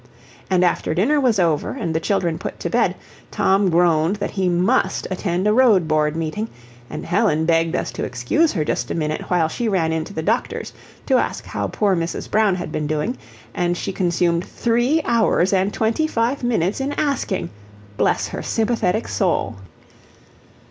And after dinner was over and the children put to bed, Tom groaned that he MUST attend a road board meeting, and Helen begged us to excuse her just a minute while she ran into the doctor's to ask how poor Mrs. Brown had been doing, and she consumed three hours and twenty five minutes in asking, bless her sympathetic soul!